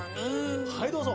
はいどうぞ！